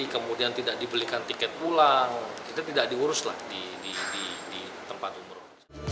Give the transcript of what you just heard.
kemudian tidak dibelikan tiket pulang itu tidak diurus lah di tempat umroh